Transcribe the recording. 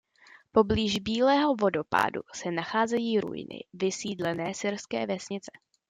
Poblíž Bílého vodopádu se nacházejí ruiny vysídlené syrské vesnice.